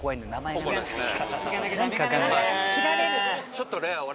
ちょっとね私。